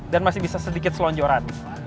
dan masih bisa sedikit selonjoran